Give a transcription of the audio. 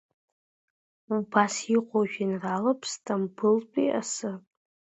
Убас иҟоу жәеинраалоуп Сҭампылтәи асы.